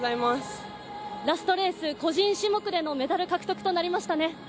ラストレース、個人種目でのメダル獲得となりましたね。